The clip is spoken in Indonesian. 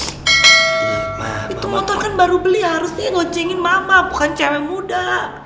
itu motor kan baru beli harusnya ngonjengin mama bukan cewek muda